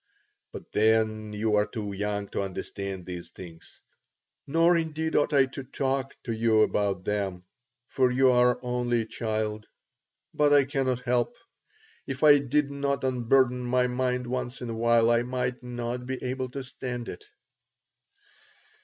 But then you are too young to understand these things. Nor, indeed, ought I to talk to you about them, for you are only a child. But I cannot help it. If I did not unburden my mind once in a while I might not be able to stand it."